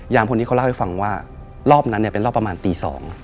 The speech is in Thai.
คนนี้เขาเล่าให้ฟังว่ารอบนั้นเนี่ยเป็นรอบประมาณตี๒